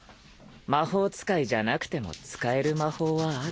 魔法使いじゃなくても使える魔法はある。